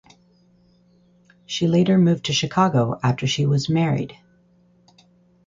She later moved to Chicago after she was married.